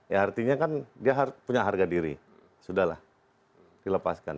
ya artinya kan dia punya harga diri sudahlah dilepaskan